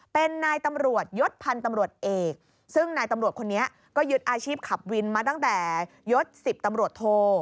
เป็นนายตำรวจยศพันธ์ตำรวจเอกซึ่งนายตำรวจคนนี้ก็ยึดอาชีพขับวินมาตั้งแต่ยศ๑๐ตำรวจโท